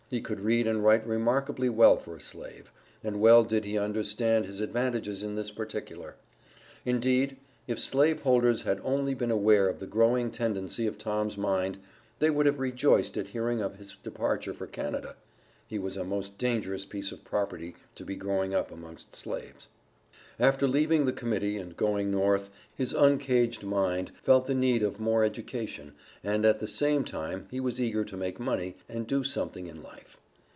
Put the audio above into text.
He could read and write remarkably well for a slave, and well did he understand his advantages in this particular; indeed if slave holders had only been aware of the growing tendency of Tom's mind, they would have rejoiced at hearing of his departure for Canada; he was a most dangerous piece of property to be growing up amongst slaves. After leaving the Committee and going North his uncaged mind felt the need of more education, and at the same time he was eager to make money, and do something in life.